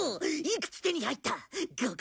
いくつ手に入った？